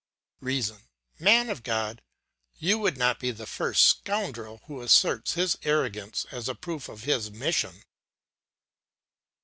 "REASON: Man of God, you would not be the first scoundrel who asserts his arrogance as a proof of his mission.